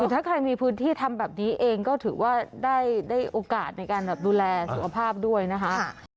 ถ้าใครมีพื้นที่ทำแบบนี้เองก็ถือว่าได้โอกาสในการดูแลสุขภาพด้วยนะคะ